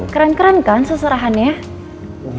keren keren kan seserahannya